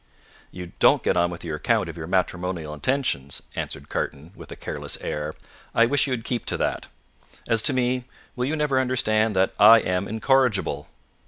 "You don't get on with your account of your matrimonial intentions," answered Carton, with a careless air; "I wish you would keep to that. As to me will you never understand that I am incorrigible?"